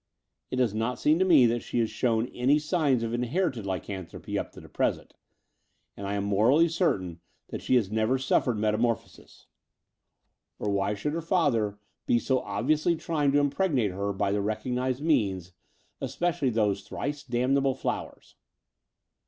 It does not seem to me that she has shown any signs of inherited lycanthropy up to the present, and I am morally certain that ^e has never suffered metamorphosis; or why should her father Between London and Clymplng 201 l>e so obviously trjdng to impregnate her by the recognized means — especially those thrice damn able flowers?